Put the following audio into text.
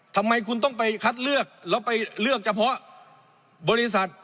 ทำไมคุณต้องไปคัดเลือกแล้วไปเลือกเฉพาะบริษัท